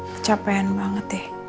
kecapean banget deh